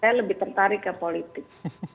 saya lebih tertarik ke politik